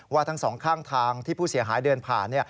ทั้งสองข้างทางที่ผู้เสียหายเดินผ่าน